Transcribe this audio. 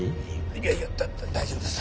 いやいやだだ大丈夫です。